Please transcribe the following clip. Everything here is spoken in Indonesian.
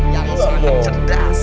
yang sangat cerdas